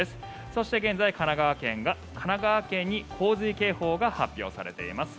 そして現在、神奈川県に洪水警報が発表されています。